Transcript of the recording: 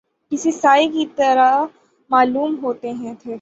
کسی سائے کی طرح معلوم ہوتے تھے